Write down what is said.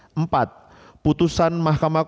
empat keputusan mahkamah kota